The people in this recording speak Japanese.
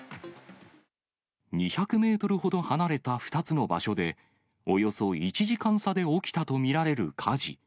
２００メートルほど離れた２つの場所で、およそ１時間差で起きたと見られる火事。